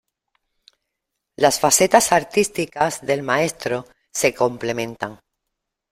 Las facetas artísticas del maestro se complementan.